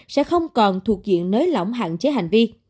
sẽ không còn thuộc diện nới lỏng hạn chế hành vi